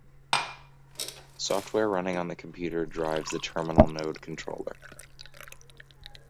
Software running on the computer drives the terminal node controller.